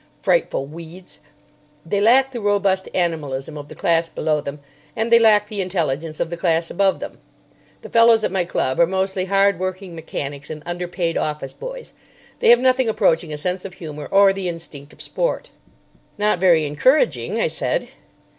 Frightful weeds. They lack the robust animalism of the class below them, and they lack the intelligence of the class above them. The fellows at my club are mostly hard working mechanics and under paid office boys. They have nothing approaching a sense of humour or the instinct of sport." "Not very encouraging," I said.